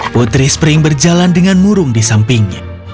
putri spring berjalan dengan murung di sampingnya